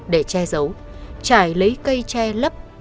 để che giấu trải lấy cây che lấp